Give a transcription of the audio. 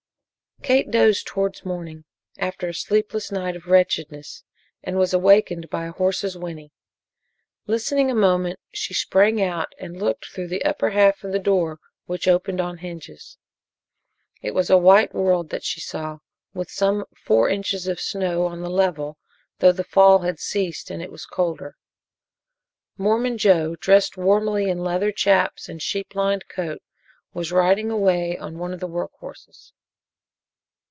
Kate dozed towards morning after a sleepless night of wretchedness and was awakened by a horse's whinny. Listening a moment, she sprang out and looked through the upper half of the door which opened on hinges. It was a white world that she saw, with some four inches of snow on the level, though the fall had ceased and it was colder. Mormon Joe, dressed warmly in leather "chaps" and sheep lined coat, was riding away on one of the work horses.